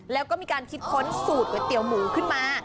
แล้วก็มีการคิดค้นสูตรก๋วยเตี๋ยวหมูขึ้นมา